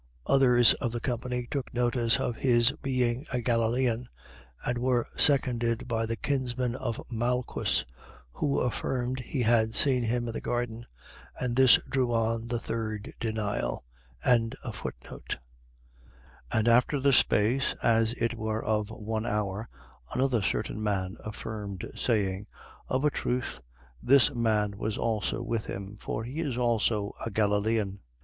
Others of the company took notice of his being a Galilean; and were seconded by the kinsman of Malchus, who affirmed he had seen him in the garden. And this drew on the third denial. 22:59. And after the space, as it were of one hour, another certain man affirmed, saying: Of a truth, this man was also with him: for he is also a Galilean.